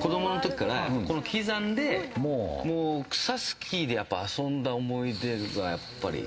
子供の時から基山で草スキーで遊んだ思い出がやっぱり。